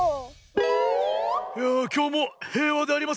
いやあきょうもへいわでありますなあ。